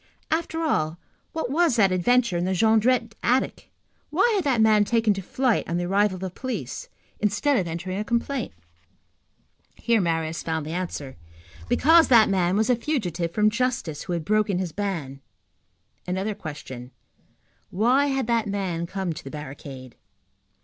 After all, what was that adventure in the Jondrette attic? Why had that man taken to flight on the arrival of the police, instead of entering a complaint? Here Marius found the answer. Because that man was a fugitive from justice, who had broken his ban. Another question: Why had that man come to the barricade?